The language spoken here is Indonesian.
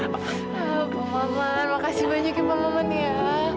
pak maman makasih banyak ya pak maman ya